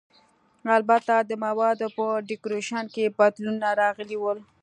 البته د موادو په ډیکورېشن کې بدلونونه راغلي ول.